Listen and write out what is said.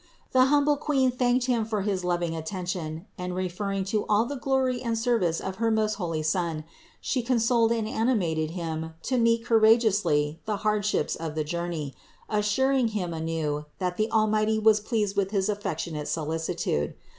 The humble Queen thanked him for his loving attention, and referring it to all the glory and service of her most holy Son, She consoled and animated him to meet cour ageously the hardships of the journey, assuring him anew that the Almighty was pleased with his affectionate solici tude.